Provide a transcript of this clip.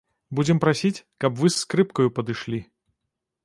Будзем прасіць, каб вы з скрыпкаю падышлі.